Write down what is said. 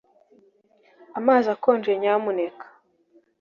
Amazi akonje nyamuneka